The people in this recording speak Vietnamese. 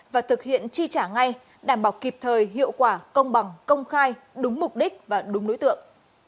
và thực hiện chi trả ngay đảm bảo kịp thời hiệu quả công bằng công khai đúng mục đích và đúng đối tượng